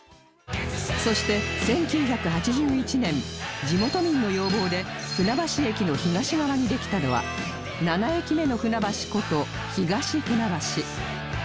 そして１９８１年地元民の要望で船橋駅の東側にできたのは７駅目の船橋こと東船橋